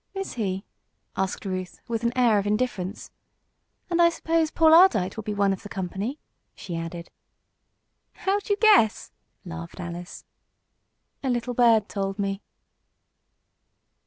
"Is he?" asked Ruth, with an air of indifference. "And I suppose Paul Ardite will be one of the company," she added. "How'd you guess?" laughed Alice. "A little bird told me."